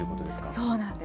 そうなんです。